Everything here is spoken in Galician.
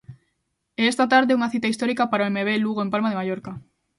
E esta tarde, unha cita histórica para o Emevé Lugo en Palma de Mallorca.